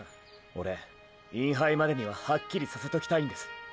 オレインハイまでにははっきりさせときたいんです。